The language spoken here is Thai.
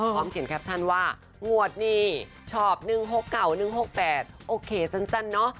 พร้อมเขียนแคปชั่นว่างวดนี้ชอบ๑๖เก่า๑๖๘โอเคสั้นเนอะ